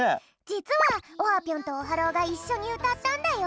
じつはオハぴょんとオハローがいっしょにうたったんだよ。